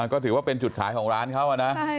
ก็ถือว่าเป็นจุดขายของร้านเขานะ